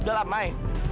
udah lah may